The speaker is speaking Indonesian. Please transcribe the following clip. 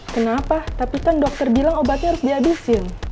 kenapa tapi kan dokter bilang obatnya harus dihabisin